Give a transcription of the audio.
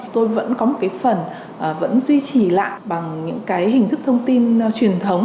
tôi vẫn có một phần duy trì lại bằng những hình thức thông tin truyền thống